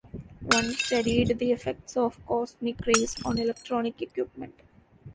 One studied the effects of cosmic rays on electronic equipment.